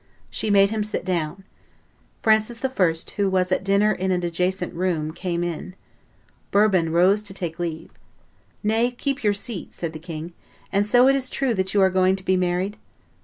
She made him sit down. Francis I., who was at dinner in an adjacent room, came in. Bourbon rose to take leave. "Nay, keep your seat," said the king; "and so it is true that you are going to be married?"